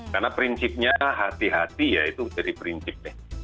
karena prinsipnya hati hati ya itu jadi prinsipnya